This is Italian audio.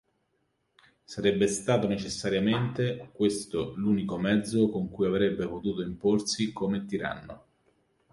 Sarebbe stato necessariamente questo l'unico mezzo con cui avrebbe potuto imporsi come tiranno.